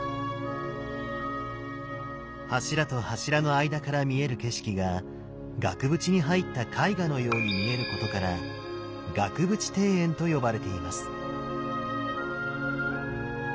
柱と柱の間から見える景色が額縁に入った絵画のように見えることから額縁庭園と呼ばれています。